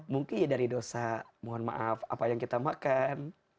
mungkin ya dari dosa mohon maaf apa yang kita makan